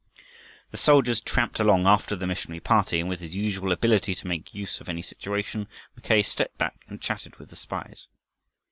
The soldiers tramped along after the missionary party, and with his usual ability to make use of any situation, Mackay stepped back and chatted with his spies.